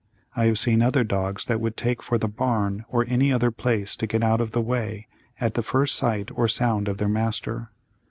I have seen other dogs that would take for the barn or any other place to get out of the way at the first sight or sound of their master.